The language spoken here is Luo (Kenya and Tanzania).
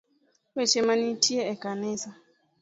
Weche manitie e kanisa